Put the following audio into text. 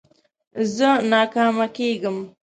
زه ناکامه کېږم.